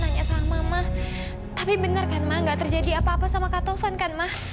nanya sama mama tapi benar kan ma tidak terjadi apa apa sama kata tuhan kan ma